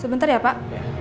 sebentar ya pak